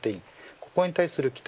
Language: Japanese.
ここに対する期待